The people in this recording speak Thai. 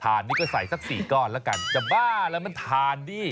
ถ่านนี้ก็ใส่สัก๔ก่อนละกันจะบ้าแล้วมันถ่านดิ